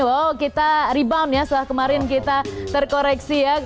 wow kita rebound ya setelah kemarin kita terkoreksi ya